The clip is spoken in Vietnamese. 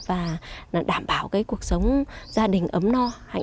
và đảm bảo cuộc sống gia đình ấm no